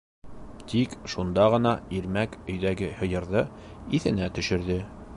Тик шунда ғына Ирмәк өйҙәге һыйырҙы иҫенә төшөрҙө.